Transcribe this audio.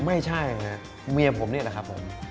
ไม่ใช่ฮะเมียผมนี่แหละครับผม